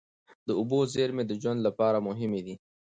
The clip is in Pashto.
د اوبو زېرمې د ژوند لپاره مهمې دي.